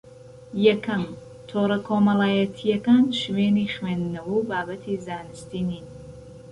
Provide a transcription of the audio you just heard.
یەکەم: تۆڕە کۆمەڵایەتییەکان شوێنی خوێندنەوە و بابەتی زانستی نین